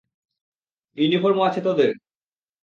ইউনিফর্মও আছে তোদের!